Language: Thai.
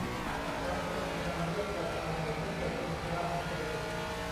จากนั้นเป็นการเลือกประธานในที่ประชุมคณะมนตรี